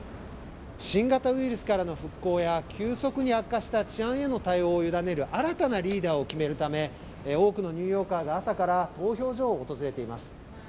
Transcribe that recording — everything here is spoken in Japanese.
新型ウイルスからの復興や、急速に悪化した治安への対応を委ねる新たなリーダーを決めるため、多くのニューヨーカーが朝から投票所を訪れています。